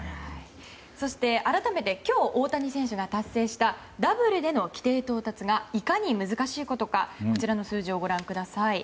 そして改めて今日大谷選手が達成したダブルでの規定到達がいかに難しいことかこちらの数字をご覧ください。